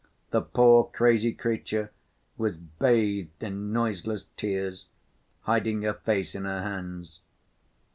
The poor, crazy creature was bathed in noiseless tears, hiding her face in her hands.